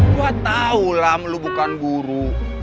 gua tau lah lu bukan guru